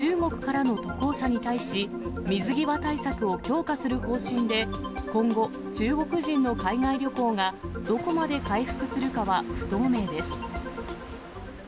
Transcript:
ただ、日本やアメリカなどは、中国からの渡航者に対し、水際対策を強化する方針で、今後、中国人の海外旅行がどこまで回復するかは不透明です。